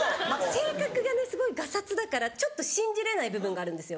性格がねすごいガサツだからちょっと信じれない部分があるんですよ